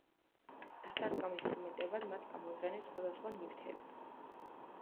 დასარტყამ ინსტრუმენტებად მათ გამოიყენეს სხვადასხვა ნივთები.